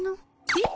えっ？